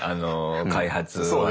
開発はね。